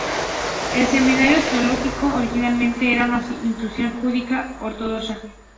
El seminario teológico, originalmente era una institución judía ortodoxa.